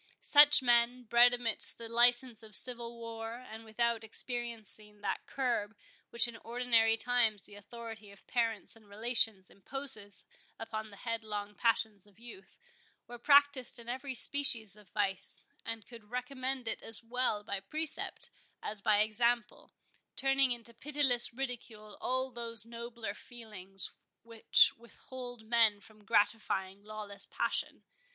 Such men, bred amidst the license of civil war, and without experiencing that curb which in ordinary times the authority of parents and relations imposes upon the headlong passions of youth, were practised in every species of vice, and could recommend it as well by precept as by example, turning into pitiless ridicule all those nobler feelings which withhold men from gratifying lawless passion.